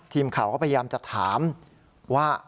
ทีมข่าวก็พยายามจะถามว่า